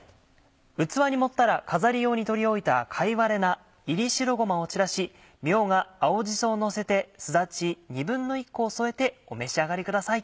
器に盛ったら飾り用に取り置いた貝割れ菜炒り白ごまを散らしみょうが青じそをのせてすだち１／２個を添えてお召し上がりください。